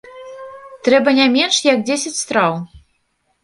Трэба не менш як дзесяць страў.